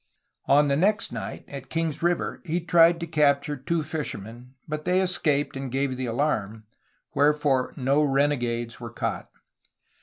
On the next night, at Kings River, he tried to capture two fishermen, but they escaped and gave the alarm, wherefore no renegades were caught.